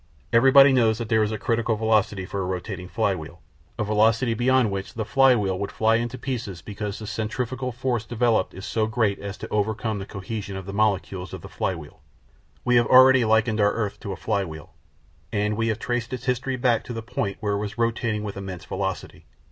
Everybody knows that there is a critical velocity for a rotating flywheel, a velocity beyond which the flywheel would fly into pieces because the centrifugal force developed is so great as to overcome the cohesion of the molecules of the flywheel. We have already likened our earth to a flywheel, and we have traced its history back to the point where it was rotating with immense velocity.